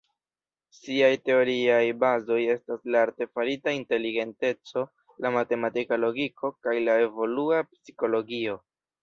Siaj teoriaj bazoj estas la artefarita inteligenteco, la matematika logiko kaj la evolua psikologio.